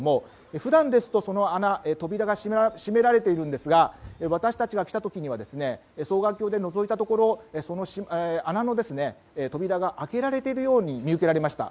普段ですと、その穴は扉が閉められているんですが私たちが来た時には双眼鏡でのぞいたところその穴の扉が開けられているように見受けられました。